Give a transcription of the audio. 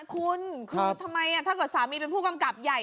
คุณคือทำไมถ้าเกิดสามีเป็นผู้กำกับใหญ่